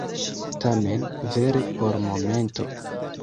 Tamen vere por momento.